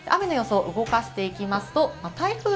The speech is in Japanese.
雨の予想を動かしていきます。